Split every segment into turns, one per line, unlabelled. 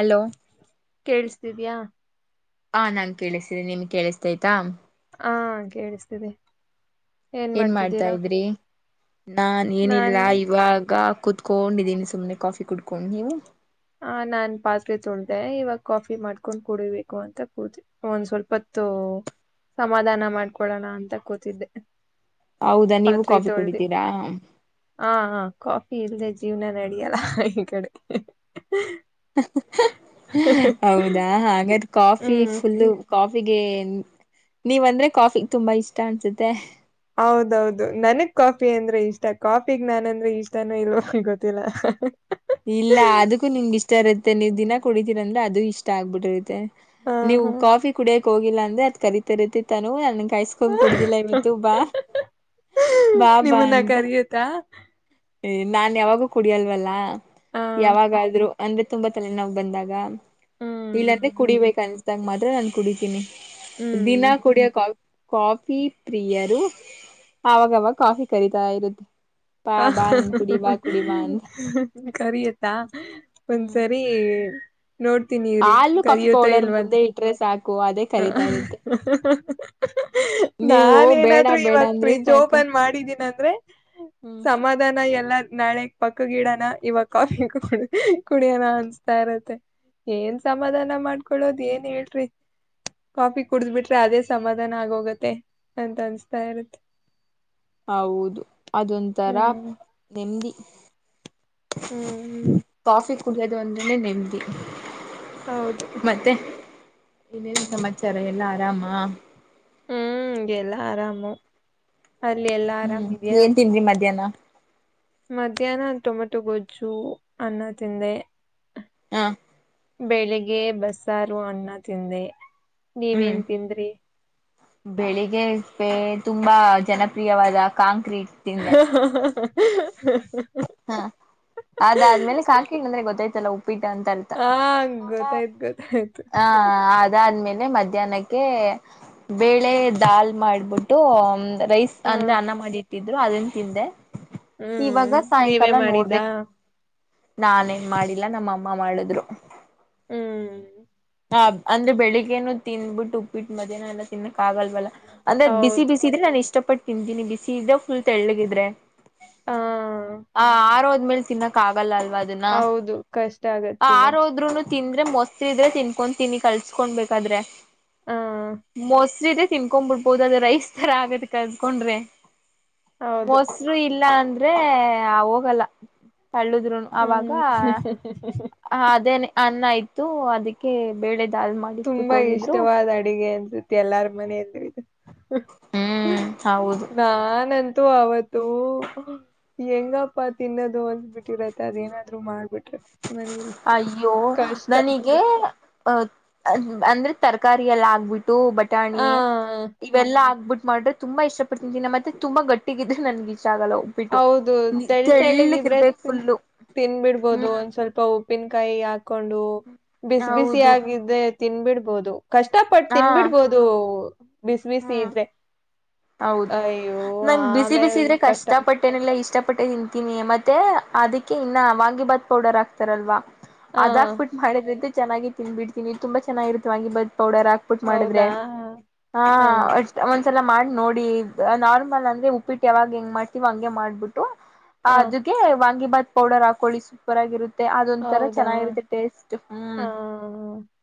Hello.
ಕೇಳಿಸ್ತಿದ್ಯಾ.
ಆ ನಂಗ್ ಕೇಳಿಸ್ತಿದೆ ನಿಮ್ಗ ಕೇಳಿಸ್ತೈಯ್ತಾ
ಹಾ ಕೇಳಿಸ್ತಿದೆ.
ಏನ್ ಮಾಡ್ತಾ ಇದ್ರಿ. ನಾ ಏನಿಲ್ಲ
ನಾನ್
ಇವಾಗ ಕುತ್ಕೊಂಡಿದಿನಿ ಸುಮ್ನೆ ಕಾಫಿ ಕುತ್ಕೊಂಡ್ ನೀವು.
ಹಾ ನಾನ್ ಪಾತ್ರೆ ತೊಳ್ದೆ ಇವಾಗ ಕಾಫಿ ಮಾಡ್ಕೊಂಡ್ ಕುಡಿಬೇಕಂತ ಕೂತ ಒಂದ್ ಸ್ವಲ್ಪತ್ತು ಸಮಾಧಾನ ಮಾಡ್ಕೊಳ್ಳೋಣ ಅಂತ ಕೂತಿದ್ದೆ.
ಹೌದಾ ನೀವು
ಪಾತ್ರೆ
ಕಾಫಿ
ತೊಳ್ದಿ
ಕುಡಿತೀರಾ
ಹಾ ಹಾ ಕಾಫಿ ಇಲ್ದೆ ಜೀವ್ನ ನಡಿಯಲ್ಲ ಹಾ ಹಾ ಈ ಕಡೆ. ಹ
ಹ್ಮ ಹ್ಮ ಹೌದಾ ಆಗರ ಕಾಫಿ
ಹ್ಮ್
ಫುಲ್ಲು ಕಾಫಿಗೆ ನೀವ್ ಅಂದ್ರೆ ಕಾಫಿ ತುಂಬಾ ಇಷ್ಟ ಅನ್ಸುತ್ತೆ.
ಹೌದೌದು ನನಗ್ ಕಾ ಫಿ ಅಂದ್ರೆ ಇಷ್ಟ ಕಾಫಿಗ್ ನಾನ್ ಅಂದ್ರೆ ಇಷ್ಟಾನ ಇಲ್ವ ಗೊತ್ತಿಲ್ಲ.
ಇಲ್ಲ ಅದಕ್ಕೂ ನಿಮ್ಗೆ ಇಷ್ಟ ಇರುತ್ತೆ ನೀವು ದಿನ ಕುಡಿತೀರ ಅಂದ್ರೆ ಅದು ಇಷ್ಟ ಆಗ್ಬಿಟ್ಟಿರುತ್ತೆ.
ಹ
ನೀವು
ಹಾ
ಕಾಫಿ ಕುಡಿಯ ಹೋಗಿಲ್ಲ ಅಂದ್ರೆ ಅದ ಕರಿತರತಿನ [unintelligible] ಕಾಯಸ್ಕೊಂಡ್ ಕುಡ್ದಿಲ್ಲ ಇವತ್ತು ಬಾ ಬಾ ಬಾ
ನಿಮ್ಮನ್ನ
ಅಂತ.
ಕರಿಯುತ್ತಾ
ಎ ನಾನ್ ಯಾವಾಗೂ ಕುಡಿಯಲ್ವಲ್ಲ.
ಹ
ಯಾವಾಗಾದ್ರೂ. ಅಂದ್ರೆ ತುಂಬಾ ತಲೆನೊವ್ ಬಂದಾಗ. ಇಲ್ಲಂದ್ರೆ
ಹ್ಮ್
ಕುಡಿಬೇಕ ಅನ್ಸ [unintelligible] ಮಾತ್ರ ನಾನು ಕುಡಿತೀನಿ. ದಿನ
ಹ್ಮ್
ಕುಡಿಯೋಕ್ ಕಾ ಕಾಫಿ ಪ್ರಿಯರು ಆವಾಗವಾಗ ಕಾಫಿ ಕರೀತಾ ಇರುತ್ತೆ. ಬಾ
ಹ್ಮ
ಬಾ ನನ್ ಕುಡಿ ಬಾ
ಹ್ಮ
ಕುಡಿ ಬಾ ಅಂತ
ಹ್ಮ ಹ್ಮ ಕರಿಯತ್ತ ಒಂದ್
ಹ್ಮ್
ಸರಿ. ಹೇ
ಹಾಲು ಕಾಫಿ ಪೌಡರ್ ಮುಂದೆ ಇಟ್ರೆ ಸಾಕ್.
ಹ್ಮ ಹ್ಮ ಹ್ಮ ಹ್ಮ ಹ್ಮ ಹ್ಮ
ನೀವು
ನಾನ
ಬೇಡ
ಏನಾದ್ರು
ಬೇಡ
ಇವಾಗ
ಅಂದ್ರೆ
ಫ್ರಿಜ್
ಸಾಕು
ಓಪನ್ ಮಾಡಿದೀನ ಅಂದ್ರೆ
ಹ್ಮ್
ಸಮಾಧಾನ ಎಲ್ಲಾ ನಾಳೆ. ಪಕ್ಕ ಗಿಡನ ಇವ ಕಾಫಿ ಕು ಹ್ಮ ಕುಡಿಯಣ ಅನ್ನುಸ್ತಾ ಇರತ್ತೆ ಏನ್ ಸಮಾಧಾನ ಮಾಡ್ಕೊಳ್ಳೋದ ಏನ್ ಹೇಳೇರಿ. ಕಾಫಿ ಕುಡಿದು ಬಿಟ್ಟರೆ ಅದೇ ಸಮಾಧಾನ ಆಗೋಗುತ್ತೆ ಅಂತ ಅನ್ನಿಸ್ತಾ ಇರುತ್ತೆ.
ಹೌದು ಅದೊಂತರ
ಹ್ಮ್
ನೆಮ್ಮದಿ.
ಹ್ಮ್ ಹ್ಮ್
ಕಾಫಿ. ಕುಡಿಯದು ಒಂದುನೇ ನೆಮ್ಮದಿ.
ಹೌದು
ಮತ್ತೆ. ಇನ್ನೇನ್ ಸಮಾಚಾರ ಎಲ್ಲಾ ಆರಾಮಾ.
ಹ್ಮ್ ಎಲ್ಲ ಆರಾಮು. ಅಲ್ಲಿ ಎಲ್ಲಾ
ಹೂಮ್
ಆರಾಮಿದ್ಯಾ
ಏನ್ ತಿಂದ್ರಿ ಮಧ್ಯಾಹ್ನ.
ಮಧ್ಯಾಹ್ನ ಟೊಮೆಟೊ ಗೊಜ್ಜು ಅನ್ನ ತಿಂದೆ.
ಹಾ
ಬೆಳಿಗ್ಗೆ ಬಸ್ಸಾರು ಅನ್ನ ತಿಂದೆ. ನೀವೇನ್ ತಿಂದ್ರಿ.
ಬೆಳಿಗ್ಗೆೇ ಎದ್ದೆ ತುಂಬಾ ಜನಪ್ರಿಯವಾದ ಕಾಂ
ಹ ಹ ಹ ಹಾ.
ಹ್ಞ ಅದಾದ್ಮೇಲೆ [unintelligible] ಅಂದ್ರೆ ಗೊತ್ [unintelligible] ಪಿಟ್ಟಂತಂತ
ಆ ಗೊತ್ತಾಯ್ತು ಗೊತ್ತಾಯ್ತು
ಹಾ ಅದಾದ ಆದ್ಮೇಲ್ ಮಧ್ಯಾಹ್ನಕ್ಕೆ ಬೇಳೆ ದಾಲ್ ಮಾಡ್ಬುಟ್ಟು ರೈಸ್
ಹ
ಅಂದ್ರೆ ಅನ್ನ ಮಾಡಿಟ್ ಇದ್ರೂ ಅದನ್ ತಿಂದೆ. ಇವಾಗ
ಹ್ಮ್. ನೀವೇ
ಸಾಯಂಕಾಲ
ಮಾಡಿದ್ದಾ
ನೋಡ್ಬೇಕು. ನಾನೇನ್ ಮಾಡಿಲ್ಲ ನಮ್ಮ ಅಮ್ಮ ಮಾಡದ್ರು.
ಹ್ಮ್.
ಹಾ ಅಂದ್ರೆ ಬೆಳಗ್ಗೆನು ತಿಂದ್ ಬಿಟ್ಟು ಉಪ್ಪಿಟ್ಟು ಮದ್ಯಾಹ್ನ ಅನ್ನ ತಿನ್ನ ಆಗಲ್ವಲ್ಲ ಅಂದ್ರ ಬಿಸಿ
ಹೌದು
ಬಿಸಿದ್ರೆ ನಾನ್ ಇಷ್ಟಪಟ್ ತಿಂತಿನಿ ಬಿಸಿ ಇದ್ರೆ ಫುಲ್ ತೆಳ್ಳಗಿದ್ರೆ.
ಹ
ಹಾ ಆರೋ ಆಮೇಲೆ ತಿನ್ನಕ್ಕಾಗಲ್ಲ
ಹೌದು ಕಷ್ಟ ಆಗತ್ತ್ ತಿನ್ನಕ್ಕೆ.
ಆರೋದ್ರುನು ತಿಂದ್ರೆ ಮೊಸ್ರ ಇದ್ರೆ ತಿಂ ಕೊಂತೀನಿ ಕಲ್ಸ್ಕೊಂಬೇಕಾದ್ರೆ.
ಹ
ಮೊಸ್ರಿದ್ರೆ ತಿನ್ಕೊಂಡ್ ಬಿಡ್ಬೋದು ಅದ ರೈಸ್ ತರ ಆಗತ್ ಕಲ್ಸ್ಗೊಂಡ್ರೆ.
ಹೌದು
ಮೊಸ್ರು ಇಲ್ಲ ಅಂದ್ ದ್ರೆ ಆ ಹೋಗಲ್ಲ. ತಳ್ಳುದ್ರುನು ಅವಾಗ
ಹ್ಮ್
ಹಾ ಅದೇನೆ ಅನ್ನ ಇತ್ತು ಅದಕ್ಕೆ ಬೇಳೆದ್
ತುಂಬಾ ಇಷ್ಟವಾದ ಅಡಿಗೆ. ವತ್ತ್ ಎಲ್ಲಾರ ಮನೇಲ್ಲಿ.
ಹ್ಮ್ ಹೌದು
ನಾನಂ ತ್ತು ಅವತ್ತು ಹೆಂಗಪ್ಪಾ ತಿನ್ನೋದು ಅಂದಬಿಟ್ಟಿರತ್ತೆ ಅದೇನಾದ್ರು ಮಾಡ್ಬಿಟ್ರೆ. ಮನೇಲಿ
ಅಯ್ಯೋ
ಕಷ್ಟ
ನನಿಗೆ ಅ ಅ ಅಂದ್ರೆ ತರಕಾರಿ ಎಲ್ಲ ಆಗ್ಬಿಟ್ ಟ್ಟು
ಆ
ಬಟಾಣಿ ಇವೆಲ್ಲಾ ಆಗ್ಬಿಟ್ ಮಾಡಿದ್ರೆ ತುಂಬಾ ಇಷ್ಟ ಪಟ್ ತಿಂತೀನಿ ನಮ್ಮತ್ತೆ ಮತ್ತೆ ತುಂಬಾ ಗಟ್ಟಿಗಿದ್ರೆ ನನ್ಗ
ಹೌದು ತೇಳ್ತೇಳ್ಳಗೆ ಇದ್ರೆ
ಇರ್ಬೇಕು ಫುಲ್ಲು
ತಿಂದ್ಬಿಡ್ಬೋಡು
ಹ್ಮ್
ಒನ್ ಸ್ವಲ್ಪ ಉಪ್ ಉಪ್ಪಿನ್ಕಾಯಿ ಕೊಂಡು ಬಿಸಿ ಬಿಸಿ
ಹೌದು
ಆಗಿದ್ರೆ ತಿನ್ಬಿಡ್ಬೋದು. ಕಷ್ಟಪಟ್ಟ್
ಹಾ
ತಿನ್ಬಿಡ್ಬೋದು. ಬಿಸಿ ಬಿಸಿ
ಹ್ಮ್
ಇದ್ರೆ
ಹೌದು
ಅಯ್ಯೋ ಆಮೇಲ್ ಕಷ್ಟ.
ಟ್ಟೆನೆಲ್ಲ ಇಷ್ಟಪಟ್ಟೆ ತಿಂತೀನಿ ಮತ್ತೆ ಅದಕ್ಕೆ ಇನ್ನ ವಾಂಗಿಭಾತ್ ಪೌಡರ್ ಆಕ್ತಾರಲ್ವಾ
ಹ
ಅದಾಕ್ಬಿಟ್ಟು ಮಾಡಿದ್ರಂದ್ ಚೆನ್ನಾಗಿ ತಿಂದ್ಬಿಡ್ತೀನಿ ತುಂಬ ಚೆನ್ನಾಗಿರುತ್ತೆ ವಾಂಗಿಬಾತ್. ಪೌಡರ್ ಹಾಕ್ಬಿಟ್ಟ್ ಮಾಡಿದ್ರೆ.
ಹೌದಾ
ಹಾ
ಹ
ಒ ಒಂದ್ಸಲ ಮಾಡ್ ನೋಡಿ ನಾರ್ಮಲ್ ಅಂದ್ರೆ ಉಪ್ಪಿಟ್ಟ ಯಾವಾಗ ಹೆಂಗ್ ಮಾಡ್ತೀವೋ ಹಂಗೆ ಮಾಡ್ಬಿಟ್ ಟ್ಟು
ಹ
ಅದಕೆ ವಾಂಗಿ ಬಾತ್ ಪೌಡರ್ ಹಾಕೊಳ್ಳಿ ಸೂಪರ್ ಆಗಿರುತ್
ಹೌದಾ
ಹ್ಮ್
ಹಾ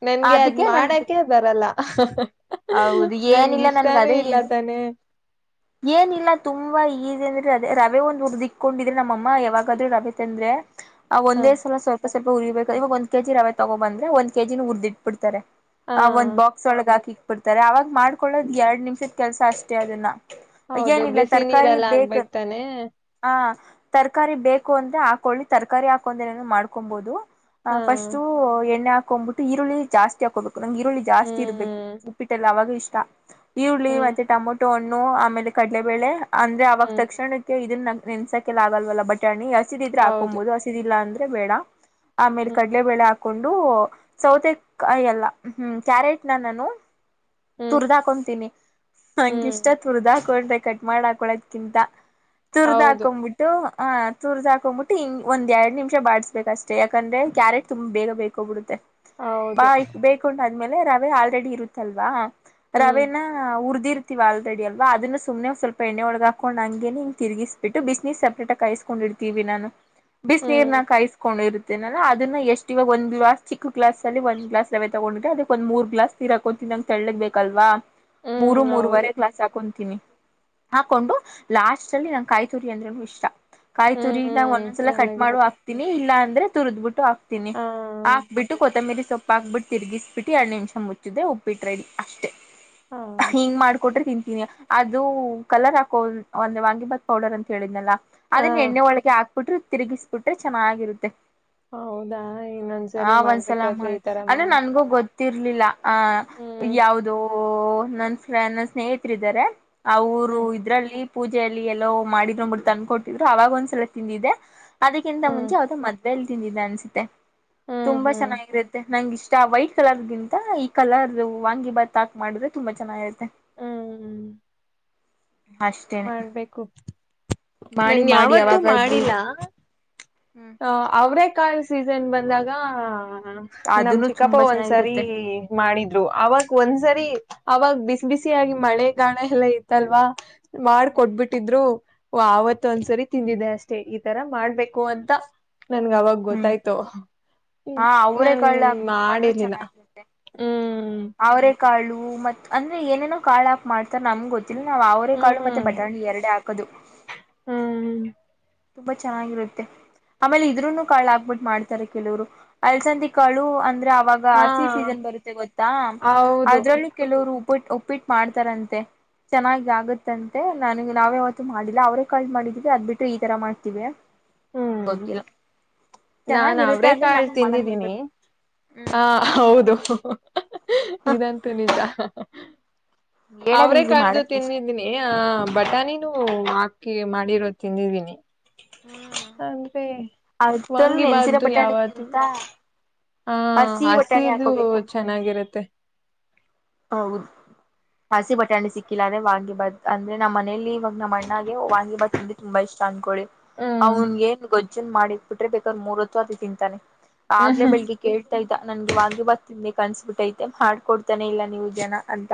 ನನ್ಗೆ ಅದ್
ಅದಕ್ಕೆ ನನ್ಗೆ
ಮಾಡಕೆ ಬರಲ್ಲ.
ಹೌದು
ನನ್ಗ
ಏನಿಲ್ಲ
ಇಷ್ಟಾನೇ
ಅದೇ
ಇಲ್ಲ
ಈಸಿ
ತಾನೆ.
ಏನಿಲ್ಲ ತುಂಬಾ ಈಸಿ ಅಂದ್ರೆ ರ ರವೆ ಒಂದ್ ಹುರಿದಿಕ್ಕೊಂಡಿದಿನಿ ನಮ್ಮಮ್ಮ ಯಾವಾಗಾದ್ರೂ ರವೆ ತಂದ್ರೆ. ಆ
ಹ
ಒಂದೇ ಸಲ ಸ್ವಲ್ಪ ಸ್ ಸ್ವಲ್ಪ ಉರಿಬೇಕ ಇವಾಗ ಒಂದ್ ಕೆಜಿ ರವೆ ತಗೊಬಂದ್ರೆ ಒಂದ ಕೆಜಿ ನೂ ಉರ್ದಿಟ್ ಬಿಡ್ತಾರೆ.
ಹಾ
ಆ ಒಂದ್ ಬಾಕ್ಸ್ ಒಳಗ ಹಾಕಿ ಕೊಡ್ತಾರೆ ಆವಾಗ್ ಮಾಡ್ಕೊಳ್ಳೋದ್ ಎರಡ್ ನಿಮಿಷದ ಕೆಲ್ಸ ಅಷ್ಟೇ ಅದನ್ನ.
ಹೌದು
ಏನಿಲ್ಲ
ಬಿಸಿ
ತರಕಾರಿ
ನೀರೆಲ್ಲ
ಬೇಕ
ಹಾಕ್ಬೇಕ್ ತಾನೇ
ಹಾ. ತರಕಾರಿ ಬೇಕು ಅಂದ್ರೆ ಹಾಕೊಳ್ಳಿ ತರಕಾರಿ ಹಾಕೊಂದೆರನು ಮಾಡ್ಕೊಂಬಹುದು. ಹ
ಹಾ
ಫಸ್ಟು ಎಣ್ಣೆ ಹಾ ಕೊಂಬಟು ಈರುಳ್ಳಿ ಜಾಸ್ತಿ ಹಾಕೋಬೇ ನಮಗೆ ಈರುಳ್ಳಿ ಜಾಸ್ತಿ ಇರ್ಬೇಕು
ಹ್ಮ್
ಉಪ್ಪಿಟ್ಟೆಲ್ಲ ಅವಾಗ. ಷ್ಟ. ಈರುಳ್ಳಿ
ಹ್ಮ್
ಮತ್ತ ಟಮೊಟೊ ಹಣ್ಣು. ನು ಆಮೇಲೆ ಕಡಲೆಬೇಳೆ ಅಂದ್ರೆ ಅವಾಗ
ಹ್ಮ್
ತಕ್ಷಣಕ್ಕೆ ಇದನ್ನ ನೆನಸಕ್ಕೆಲಾಗಲ್ವಲ್ಲ ಬಟಾಣಿ. ಸಿದಿದ್ರೆ
ಹೌದು
ಆಕೊಂಬೋದು ಹಸಿದಿಲ್ಲ ಅಂದ್ರ್. [unintelligible] ಬೇಡ. ಆಮೇಲೆ
ಹ್ಮ್
ಕಡಲೆ ಬೇಳೆ ಆಕೊಂಡು. ಡು ಸೌತೆ ಕಾಯಿ ಎಲ್ಲ ಹ್ಮ್ ಕ್ಯಾರೆಟ್ ನ ನಾನು.
ಹ್ಮ್
ತುರ್ದಾಕೊಂತಿನಿ
ಹ್ಮ್
ನಂಗಿಷ್ಟ ತುರ್ದಾಕೊಂಡ್ಕ್ ಕಟ್ ಮಾಡ ಹಾಕೊಳೋದ್ಕಿಂತ. ತುರ್ದ್
ಹೌದು
ಹಾಕೊಂಬಿಟ್ಟು. ಹ ತುರ್ದ ಹಾಕೊಂಡ್ಬಿಟ್ಟಿಂಗ್ ಒಂದ ಎರಡ್ ನಿಮಿಷ ಬಾಡ್ಸಬೇಕ ಅಷ್ಟೆ ಯಾಕಂದ್ರೆ ಕ್ಯಾರೆಟ್ ತುಂಬ ಬೇಗ ಬೇಕೊಂಬುಡತ್ತೆ.
ಹೌದು
ಬಾಯ್ ಬೇಕುಂಡ ಆಮೇಲೆ ರವೆ ಆಲ್ರೆಡಿ ಇರುತ್ತಲ್ವಾ.
ಹ್ಮ್
ರವೇನಾ ಉರ್ದ್. ಇ ಇರ್ತಿವಿ ಆಲ್ದಡಿ ಅಲ್ವಾ ಅದನ್ನ ಸುಮ್ನೆ ಸ್ವಲ್ಪ ಎಣ್ಣೆಯೋಲ್ಗ್ ಹಾಕೊಂಡ್ ಹಂಗೇನೇ ಹಿಂಗ್ ತಿರುಗಿಸ್ಬಿಟ್ಟು ಬಿಸಿನೀರ್ ಸಪ್ರೇಟಾಗಿ ಕಾಯಸ್ಕೊಂಡಿರ್ತೀವಿ ನಾನು. ಬಿಸ್
ಹ್ಮ್
ನೀರ್ನ ಕಾಯಿಸಕೊಂಡ್ ಇರು. ತಿನಲ್ಲ ಅದನ್ನ ಎಷ್ಟ್ ಇವಾಗ ಒಂದ್ ಗ್ಲಾಸ್ ಚಿ ಕ್ಕೂ ಗ್ಲಾಸ್ ಲ್ಲಿ ಒನ್ ಗ್ಲಾಸ್ ರವೆ ತಗೊಂಡ ಅದಕ್ಕ ಒಂದ ಮೂರ್ ಗ್ಲಾಸ್ ನೀರಕೊಂತಿನ್ ನಂಗ್ ತೆಳ್ಳಕ್ ಬೇಕ್. ಕಲ್ವಾ.
ಹ್ಮ್
ಮೂರು
ಹೌದು
ಮೂರವರೆ ಗ್ಲಾಸ್ ಹಾಕೊಂತೀನಿ. ಹಾಕೊಂಡು ಲಾಸ್ಟ್ ಅಲ್ಲಿ ನಂ ಕಾಯತುರಿ ಅಂದ್ರೆನು ಇಷ್ಟ. ಕಾಯಿ
ಹ್ಮ್
ತುರಿನಾ
ಹ್ಮ್
ಒಂದೊಂದ್ಸಲ ಕಟ್ ಮಾಡುವ
ಚೆನ್ನಾಗಿರುತ್ತೆ
ಹಾಕ್ತೀನಿ ಇಲ್ಲ ಅಂ ದ್ರೆ ತುರುದ್ಬುಟ್ ಆ ತಿನಿ
ಹಾ
ಹಾಕ್ ಬಿಟ್ಟು ಕೊತ್ತಂಬಿರಿ. ಸೊಪ್ಪಾಕ್ಬಿಟ್ಟ ತಿರ್ಗಿಸ್ಬಿಟ್ ಎರಡುಮಿಷ ಮುಚಿದರೆ ಉಪಿಟ್ಟ ರೆಡಿ. ಅಷ್ಟೇ
ಹಾ
ಹಿಂಗ್ ಮಾಡ್ಕೊಟ್ರೆ ತಿಂತ. ಅದು ಕಲರ್ ಹಾಕೋ ಒಂದ್ ಒಂದ್ ವಾಂಗಿಭಾತ್ ಪೌಡರ್ ಅಂತ ಹೇಳಿದ್ನಲ್ಲ.
ಹಾ
ಅದನ್ನ ಎಣ್ಣೆ ಒಳಗೆ ಹಾ [unintelligible] ತಿರುಗಿಸ್ಬಿಟ್ರೆ ಚೆನ್ನಾಗಿರುತ್ತೆ.
ಹೌದಾ
ಆ
ಇನ್ನೊಂದ್ಸರಿ ಮಾಡ್ಬೇಕಾದ್ರೆ ಈ ತರ ಮಾಡ.
ತಿರ್ಲಿಲ್ಲ. ಹ ಯಾವುದು. ಓ ನನ್ ನಾನ್ ಸ್ನೇಹಿತ್ರು ಇದಾರೆ. ಅವರು
ಹ್ಮ್
ಇದ್ರಲ್ಲಿ. ಪೂಜೆಯಲ್ಲಿ ಎಲ್ಲೋ ಮಾಡಿದ್ರುಂಬರು ತಂದಕ ಕೊಟ್ಟಿದ್ರು ಅವಾಗ ಒಂದ್ಸಲ ತಿಂದಿದ್ದೆ. ಅದಕ್ಕಿಂತ
ಹ್ಮ್
ಮುಂಚೆ ಯಾವ್ದೋ ಮದ್ವೆಲಿ. ತಿಂದಿದ್ದೆ ಅನ್ಸುತ್ತೆ.
ಹ್ಮ್
ತುಂಬಾ
ಹ್ಮ್
ಚೆನ್ನಾಗಿರುತ್ತೆ ನಂಗ ಇಷ್ [unintelligible] ವೈಟ್ ಕಲರ್ಗಿಂತ ಈ ಕಲರು. ವಾಂಗಿ ಬಾತ್ ಹಾಕ್ ಮಾಡುದ್ರ ತುಂಬಾ ಚೆನ್ನಾಗರತ್ತೆ.
ಹ್ಮ್ ಹ್ಮ್
ಅಷ್ಟೇನೆ
ಮಾಡ್ಬೇಕು
ಮಾಡಿ
ನನ್
ಮಾಡಿ
ಯಾವತ್ತೂ
ಯಾವಾಗ ದೃಢ
ಮಾಡಿಲ್ಲ.
ಹ್ಮ್
ಹ ಅವ್ರೆ ಕಾಯಿ ಸೀಸನ್ ಬಂದಾಗ. ಹ ನಮ್
ಅದನ್ನು
ಚಿಕ್ಕಪ್ಪ
ತುಂಬಾ
ಒಂದ್ಸರಿ
ಚೆನ್ನಾಗಿರುತ್ತೆ
ಮಾಡಿದ್ರು ಅವಾಗ ಒಂದ್ಸರಿ ಅವಾಗ ಬಿಸ್ ಬಿಸಿಯಾಗಿ ಮಳೆ ಗಾಣ ಎಲ್ಲ ಇತ್ತಲ್ವಾ. ಮಾಡಕೊಟ್ಬಿಟ್ಟಿದ್ರು. ವ ಆವತ್ತ ಒಂದ್ಸರಿ ತಿಂದಿದ್ದೆ ಅಷ್ಟೇ ಈ ತರ ಮಾಡ್ಬೇಕು ಅಂತ. ನನ್ಗ ಅವಾಗ
ಹ್ಮ್
ಗೊತ್ತಾಯ್ತು.
ಹಾ ಅವರೇ
ನನ್
ಕಾಳ್ ಹಾಕ್ ಬಿಟ್ಟು ಮಾಡ್ರೆ
ಮಾಡಿರ್ಲಿಲ್ಲ
ಚೆನ್ನಾಗಿರುತ್ತೆ
ಹ್ಮ್
ಅವ್ರೇ ಕಾಳು ಮತ್ ಅಂದ್ರೆ ಏನೇನೋ ಕಾಳ ಹಾಕ್ ಮಾಡ್ತಾರ ನಮ್ಗ ಗೊ ಹ್ಮ ಅವರೆ ಕಾಳು ಮತ್ತೆ ಬಟಾಣಿ ಎರಡೆ ಹಾ ಕದು.
ಹ್ಮ್ ಹ್ಮ್
ತುಂಬಾ ಚೆನ್ನಾಗಿರುತ್ತೆ ಆಮೇಲೆ ಇದ್ರೂನು ಕಾಳು ಆಕ್ಬಟ್ ಮಾಡ್ತಾರೆ ಕೆಲವರು ಅಲ್ಸಂದಿ ಕಾಳು ಅಂದ್ರೆ. ಅವಾಗ
ಹಾ
ಹಸಿ ಸೀಸನ್ ಬರುತ್ತೆ ಗೊತ್ತಾ
ಹೌದು
ಅದ್ರಲ್ಲು ಕೆಲವರು. ಉಪ್ಪಿ ಉಪ್ಪಿಟ್ ಮಾಡ್ತಾರಂತೆ ಚೆನಾಗ್ ಆಗುತ್ತಂತೆ ನನಗ್ ನಾವೇ ಯಾವತ್ತು ಮಾಡಿಲ್ಲ ಅವ್ರೆಕಾಳ್ ಮಾಡಿದಿದೆ ಅದ್ ಬಿಟ್ರೆ ಈ ತರ ಮಾಡ್ತೀವಿ.
ಹ್ಮ್
ಗೊತ್ತಿಲ್ಲ
ನಾನ್
ಚೆನ್ನಾಗಿರುತ್ತೆ
ಅವ್ರೇ
ಅಂದ್ರೆ
ಕಾಳ್
ನಮಗ್ ಮಾಡಕ್
ತಿಂದಿದಿನಿ
ಬರ್ಬೇಕು ಹ್ಮ್
ಹಾ ಹೌದು ಅಹ ಹ ಹ್ ಇದಂತೂ ನಿಜ ಹ.
ಹೇಳೋದ್
ಅವ್ರೇ
ಈಸಿ
ಕಾಳ್ದು
ಮಾಡದ್ ಕಷ್ಟ
ತಿಂದಿದಿನಿ ಆ ಬಟಾಣಿ ನೂ ಹಾಕಿ ಮಾಡಿರೋದ್ ತಿಂದಿದಿನಿ. ಅಂತೆ.
ಆತಲ್ ನೆನ್ಸಿರ ಬಟಾಣಿ ಎಂತ
ಹಾ ಹಸಿದು ಚೆನ್ನಾಗಿರತ್ತೆ.
ಹೌದು ಹಸಿ ಬಟಾಣಿ ಸಿಕ್ಕಿಲ್ಲ ಅಂದ್ರೆ ವಾಂಗಿ ಬಾತ್ ಅಂದ್ರೆ ನಮ್ಮನೆಲಿ ಇವಾಗ ನಮ್ಮ್ ಅಣ್ಣಾಗೆ ವಾಂಗಿ ಬಾತ್ ಅಂದ್ರೆ ತುಂಬಾ ಇಷ್ಟ ಅನ್ಕೋಳಿ.
ಹ್ಮ್
ಅವ್ನ್ ಗೇನ್ ಗೊಜ್ ಜ್ಜನ್ ಮಾಡಿಟ್ಬಿಟ್ರೆ ಬೇಕಾರ್ ಮೂರೊತ್ತು ಅದೆ ತಿಂತಾನೆ. ಆಗ್ಲೇ
ಹ್ಮ್
ಬೆಳಿಗ್ಗೆ ಕೇಳ್ತಾ ಇದ್ದ ನನ್ಗೆ ವಾಂಗಿ ಬಾತ್ ತಿನ್ಬೇಕ್ ಕನ್ಸಬಿಟ್ಟೈತೆ ಮಾಡ್ಕೊಡ್ತಾನೆ ಇಲ್ಲ. ನೀವು ಜನ ಅಂತ.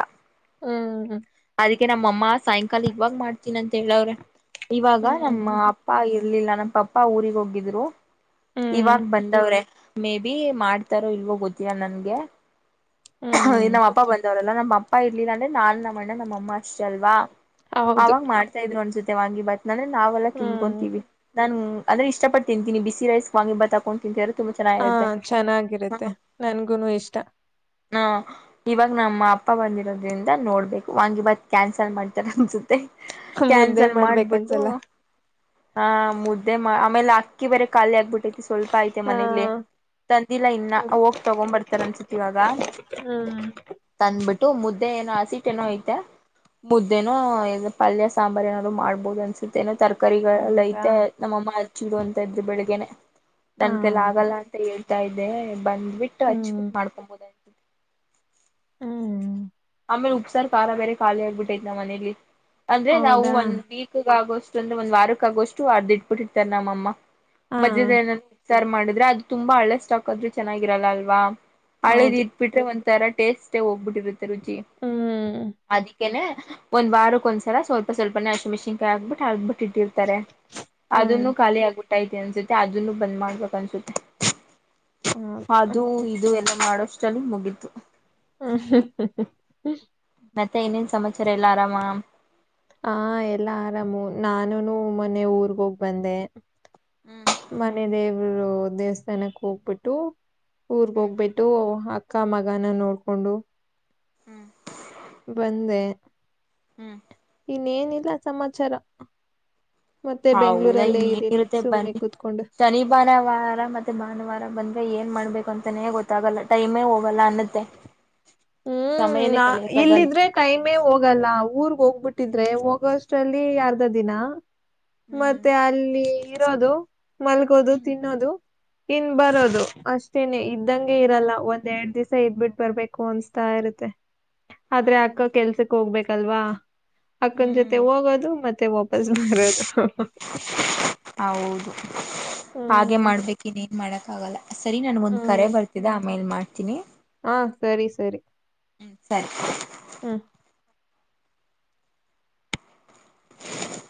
ಹ್ಮ್ ಹ್ಮ.
ಅದಿಕ್ಕೆ ನಮ್ಮಅಮ್ಮ ಸಾಯಂಕಾಲ ಇವಾಗ್ ಮಾಡ್ತೀನ ಅಂತ ಹೇಳವ್ರೆ. ಇವಾಗ ನಮ್ಮ
ಹ್ಮ್
ಅಪ್ಪ ಇ ರ್ಲಿಲ್ಲ ನಮ್ಮ ಪಪ್ಪ ಊರಿಗೆ ಹೋಗಿದ್ರು.
ಹ್ಮ್
ಇವಾಗ್ ಬಂದವ್ರೆ. ಮೇ ಬಿ ಮಾಡ್ತಾರೋ ಇಲ್ವೋ ಗೊತ್ತಿಲ್ಲಾ ನನ್ಗೆ. ಅಹ
ಹ್ಮ್
ನಮ್ಮ್ ಅಪ್ಪ ಬಂದವ್ರಲ್ಲ ನಮ್ಮ ಅಪ್ ಪ್ಪ ಇರ್ಲಿಲ್ಲ ಅಂದ್ರೆ ನಾನು ನಮ್ಮಣ್ಣ ನಮ್ಮ ಅಮ್ಮಾ ಅಷ್ಟೇ ಅಲ್ವಾ.
ಹೌದು
ಅವಾಗ್ ಮಾಡ್ತಾ ಇದ್ರು ಅನ್ಸುತ್ ವಾನ್ಗಿ ಬಾತ್ ಲ್ಲಾಂದ್ರೆ ನಾವೆಲ್ಲ
ಹ್ಮ್
ತಿನ್ಕೊಂತೀವಿ. ನಾನ್ ಅಂದ್ರೆ ಇಷ್ಟಪಟ್ಟ ತಿಂತೀನಿ ಬಿಸಿ ರೈಸ್ ವಾಂಗಿ ಬಾತ್ ಹಾಕೊಂಡ್ ತಿಂತಿದ್ರೆ ತುಂಬಾ
ಆ
ಚೆನ್ನಾಗಿರುತ್ತೆ
ಚೆನ್ನಾಗಿರುತ್ತೆ ನನ್ಗುನು ಇಷ್ಟ.
ಹಾ ಇವಾಗ ನಮ್ಮ ಅಪ್ಪ ಬಂದಿರೋದ್ರಿಂದ ನೋಡ್ಬೇಕು ವಾಂಗಿ ಬಾತ್ ಕ್ಯಾನ್ಸಲ್ ಮಾಡ್ತಾರ್ ಅನ್ಸುತ್ ತ್ತೆ
ಮುದ್ದೆ
ಕ್ಯಾನ್ಸಲ್ ಮಾಡ್ಬಿಟ್ಟು
ಮಾಡ್ಬೇಕನ್ಸಲ್ಲ
ಹಾ ಮುದ್ದೆ ಮಾ ಆಮೆಲ್ ಅಕ್ಕಿ ಬೇರೆ ಖಾಲಿ ಆಗ್ಬಿಟ್ ಐತಿ ಸ್ವಲ್ಪ ಐತೆ
ಹಾ
ಮನೇಲಿ ತಂದಿಲ್ಲಾ ಇನ್ನ ಹೋಗ್ ತಗೊಂಡ್ ಬರ್ತಾರ್ ಅನ್ಸುತ್ ಇವಾಗ.
ಹ್ಮ.
ಬಿಟ್ಟು ಮುದ್ದೆ ಏನೋ ಹಸಿಟ್ ಏನೋ ಐತೆ ಮುದ್ದೇನೋ ಏನೋ ಪಲ್ಯ ಸಾಂಬಾರ್ ಏನಾದ್ರು ಮಾಡ್ಬಹುದು ಅನ್ಸುತ್ತೆ ಏನೋ ತರ್ ಕರಿಗಳಲ್ಲ
ಹೌದಾ
ಐತೆ ನಮ್ಮಮ್ಮ ಹಚ್ಚಿಡು ಅಂತಾ ಇದ್ರು ಬೆಳಿಗ್ಗೆನೆ.
ಹ
ನನ್ಕಯ್ಯಲ್ ಆಗಲ್ಲ ಅಂತ ಹೇಳ್ ತಾ ಇದ್ದೆ ಬಂದ್ ಬಿಟ್ಟು
ಹ್ಮ್
ಹಚ್ಬಿಟ್ಟ್ ಮಾಡ್ಕೊಂಬೋದೇನೊ. [inaudible]
ಹ್ಮ.
ಆಮೇಲೆ ಉಪ್ಸಾರ್ ಖಾರ ಬೇರೆ ಖಾಲಿ ಆಗ್ಬಿಟ್ಟೈ್ತ್ ನಮ್ಮನೇಲಿ. ಅಂದ್ರೆ ನಾವು
ಹೌದಾ
ಒಂದ ವೀಕ್ಗ ಆಗೋಸ್ ಅಂದ್ರೆ ಒಂದ ವಾರಕ್ಕಾಗೋಷ್ಟು ಅರ್ದು ಇಟ್ಬಿಟ್ಟಿರ್ತಾರ್ ನಮ್ಮಮ್ಮ.
ಹಾ
ಮಜೆದ ಏನ ಸಾರ್ ಮಾಡಿದ್ರೆ ಅದು ತುಂಬಾ ಹಳೆ ಸ್ಟಾಕ್ ಆದ್ರೂ ಚೆನ್ನಾಗಿರಲ್ಲ ಅಲ್ವಾ. ಹಳೇದ
ಹೌದು
ಇಟ್ಬಿಟ್ರೆ ಒ ತರ ಟೇಸ್ಟೆ ಹೋಗ್ಬಿಟ್ಟಿರುತ್ ತಿರುಚಿ
ಹ್ಮ್
ಅದಿಕೆನೆ ಒಂದ್ ವಾರಕ್ ಒಂದ್ಸಲ ಸ್ವಲ್ಪ ಸ್ವಲ್ಪನೆ ಹಸಿಮೆಣಸಿನಕಾಯಿ ಹಾಕ್ಬಿಟ್ಟು ಆ ಇಟ್ಟಿರ್ತಾರೆ
ಹ್ಮ್
ಅದನ್ನು ಖಾಲಿ ಆಗಬುಟ್ ಸ ಅಯ್ತೆ ಅನ್ಸುತ್ತೆ ಅದುನ್ ಬಂದ್ ಮಾಡ್ಬೇಕ ಅನ್ಸುತ್ತೆ.
ಹ್ಮ್
ಅದು ಇದು ಎಲ್ಲ ಮಾಡಷ್ಟ್ರಲ್ಲಿ ಮುಗ್ ಹತ್ತು [inaudible]
[unintelligible]
ಮತ್ತೆ ಇನ್ನೇನ್ ಸಮಾಚರ ಎಲ್ಲ ಆರಾಮ.
ಹಾ ಎಲ್ಲಾ ಆರಾಮು ನಾನುನು ಮೊನ್ನೆ ಊರ್ಗ ಹೋಗ್ ಬಂದೆ.
ಹ್ಮ್
ಮನೆದೇವ್ ರು ದೇವಸ್ಥಾನಕ್ಕೆ ಹೋಗಬಿಟ್ಟು ಊರ್ಗ್
ಹ್ಮ್
ಹೋಗ್ಬಿಟ್ಟು ಹ ಕ್ಕ ಮಗನ ನೋಡ್ಕೊಂಡು
ಹ್ಮ್.
ಬಂದೆ.
ಹ್ಮ್
ಇನ್ನೇನಿಲ್ಲ. ಸಮಾಚಾರ. ಮತ್ತೆ
ಹೌದಾ
ಬೆಂಗ್ಳೂರಲ್ಲೇ ಇದ್ದೀನಿ
ಇನ್ನೇನಿರುತ್ತೆ
ಸುಮ್ನೆ
ಬನ್ನಿ
ಕೂತ್ಕೊಂಡು
ಶನಿ ಭಾನುವಾರ ಮತ್ತೆ ಭಾನುವಾರ ಬನ್ ಏನ್ ಮಾಡ್ಬೇಕು ಅಂತಾನೇ ಗೊತ್ತಾಗಲ್ಲ ಟೈಮೇ ಹೋಗ್ ಲ್ಲ ಅನ್ನತ್ತೆ.
ಹ್ಮ್
ಸಮಯನೇ
ನಾ
ಕಳಿಯಕ್ಕಾಗಲ್ಲ
ಇಲ್ಲಿದ್ರೆ ಕೈಮೆ ಹೋಗಲ್ಲ ಊರ್ಗ್ ಹೋಗ್ಬಿಟ್ಟಿದ್ರೆ ಹೋಗ ಸ್ಟ್ ಅಲ್ಲಿ ಅರ್ದ ದಿನ
ಹ್ಮ್
ಮತ್ತೆ ಅಲ್ಲಿ ಇರೋದು. ಮಲ್ಗೋದು
ಹ್ಮ್
ತಿನ್ನೋದು. ಇನ್ ಬರೋದು ಅಷ್ಟೇನೆ ಇದ್ದಂಗೆ ಇರಲ್ಲ ಒಂದ್ ಎರಡ್ ದಿವಸ ಇದ್ಬಿಟ್ಟ ಬರ್ಬೇಕು ಅನ್ಸ್ ತಾ ಇರತ್ತೆ. ಆದ್ರೆ
ಹೌದು
ಆಕ್ಕ ಕೆಲ್ಸಕ್ ಹೋಗ್ಬೇಕ್ ಅಲ್ವಾ ಅಕ್ಕನ್
ಹ್ಮ್
ಜೊತೆ ಹೋಗೋದು ಮತ್ತೆ ವಾಪಸ್ ಬರೋದು.
ಹೌದು ಹಾಗೆ
ಹ್ಮ್
ಮಾಡ್ಬೇಕ ಇನ್ನೇನ್ ಮಾಡಕ್ ಆಗಲ್ಲ. ಸರಿ ನನ್ಗ್ ಒಂದ್ ಕರೆ
ಹ್ಮ್
ಬರ್ತಿದ್ದ ಆಮೇಲ್ ಮಾಡ್ ಮಾಡ್ತಿನಿ
ಹಾ ಸರಿ ಸರಿ.
ಹ್ಮ್ ಸರಿ.
ಹ್ಮ.
[unintelligible]